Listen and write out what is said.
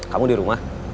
kamu di rumah